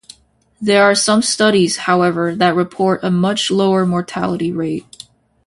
There are some studies however that report a much lower mortality rate.